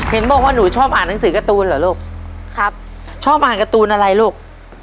เห็นบอกว่าหนูชอบอ่านหนังสือการ์ตูนเหรอลูกครับชอบอ่านการ์ตูนอะไรลูก